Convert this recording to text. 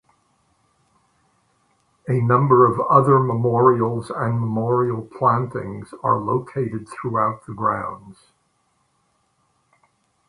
A number of other memorials and memorial plantings are located throughout the grounds.